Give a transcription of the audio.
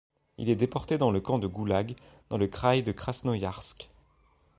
Il est déporté dans un camps de Goulag dans le Kraï de Krasnoïarsk.